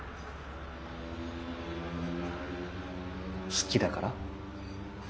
好きだから？